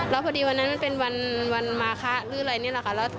แล้วพอดีวันนั้นมันเป็นวันมาคะหรืออะไรนี่แหละค่ะ